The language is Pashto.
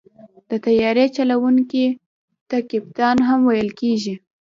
د طیارې چلوونکي ته کپتان هم ویل کېږي.